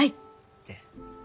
って。